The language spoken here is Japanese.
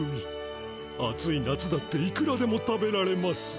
暑い夏だっていくらでも食べられます。